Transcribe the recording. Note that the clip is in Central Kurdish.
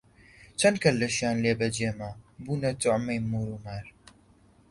چەند کەلەشیان لێ بە جێ ما، بوونە توعمەی موور و مار